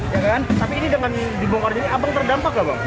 tapi ini dengan dibongkarnya ini apa yang terdampak